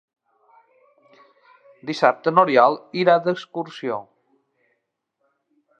Dissabte n'Oriol irà d'excursió.